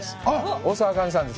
大沢あかねさんです。